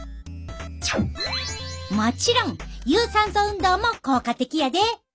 もちろん有酸素運動も効果的やで。